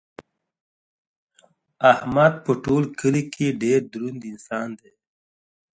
احمد په ټول کلي کې ډېر دروند انسان دی.